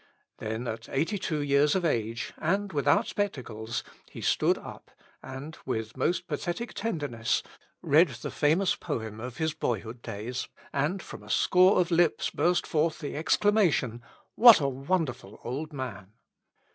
Then at 82 years of age, and without spectacles, he stood up and with most pathetic tenderness read the famous poem of his boyhood days, and from a score of lips burst forth the exclamation, "What a wonderful old man!"